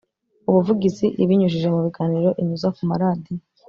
ubuvugizi ibinyujije mu biganiro inyuza ku maradiyo